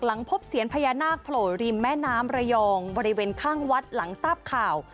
หลังพบเสียญพญานาคโผล่ริมแม่น้ำระยองบริเวณข้างวัดหลังทราบข่าว